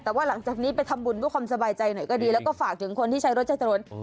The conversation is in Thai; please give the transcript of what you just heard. แต่ว่าหลังจากนี้ไปทำบุญเพื่อความสบายใจหน่อยก็ดีแล้วก็ฝากถึงคนที่ใช้รถใช้ถนน